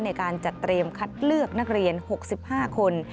ในการจัดเตรียมคัดเลือกนักเรียน๖๕คน